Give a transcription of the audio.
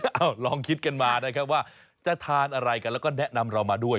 เอ้าลองคิดกันมานะครับว่าจะทานอะไรกันแล้วก็แนะนำเรามาด้วย